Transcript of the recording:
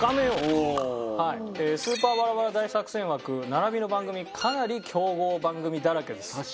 スーパーバラバラ大作戦枠並びの番組かなり強豪番組だらけです。